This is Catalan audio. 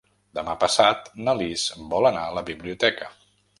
Demà passat na Lis vol anar a la biblioteca.